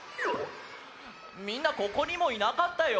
みんなここにもいなかったよ。